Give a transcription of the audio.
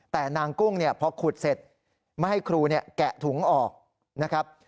แต่นางกุ้งเนี่ยพอขุดเสร็จไม่ให้ครูแกะถุงออกนะครับ